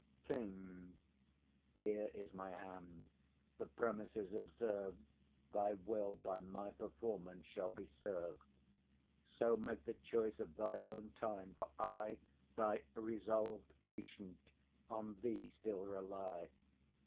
KING. Here is my hand; the premises observ'd, Thy will by my performance shall be serv'd; So make the choice of thy own time, for I, Thy resolv'd patient, on thee still rely.